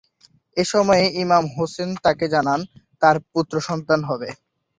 এ সময়ে ইমাম হোসেন তাকে জানান যে তার পুত্র সন্তান হবে।